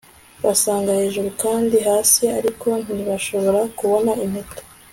basaga hejuru kandi hasi, ariko ntibashobora kubona impeta